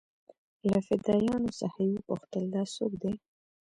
له فدايانو څخه يې وپوښتل دا سوک دې.